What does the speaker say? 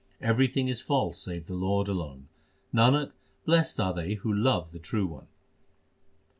Everything is false save the Lord alone : Nanak, blest are they who love the True One.